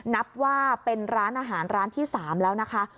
นับว่าเป็นร้านอาหารร้านที่๓แล้วนะคะ